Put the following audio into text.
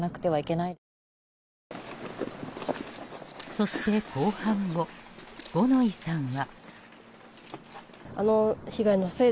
そして、公判後五ノ井さんは。